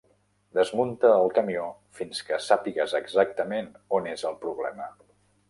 Desmunta el camió fins que sàpigues exactament on és el problema.